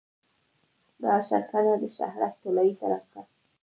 راشه کنه د شهرک طلایې طرف ته.